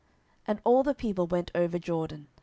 10:019:039 And all the people went over Jordan.